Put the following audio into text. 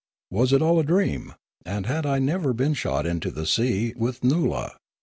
Was it all a dream? And had I never been shot into the sea with Noola ?